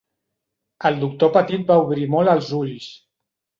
El doctor Petit va obrir molt els ulls.